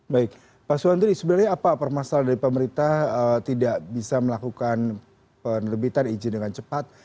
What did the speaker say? baik pak suwandi sebenarnya apa permasalahan dari pemerintah tidak bisa melakukan penerbitan izin dengan cepat